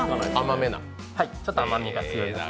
ちょっと甘みが強いです。